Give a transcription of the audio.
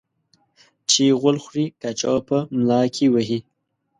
چي غول خوري ، کاچوغه په ملا کې وهي.